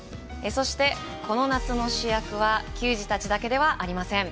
そして、この夏の主役は球児だけではありません。